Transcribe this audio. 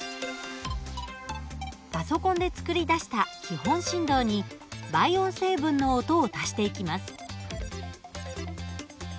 パソコンで作り出した基本振動に倍音成分の音を足していきます。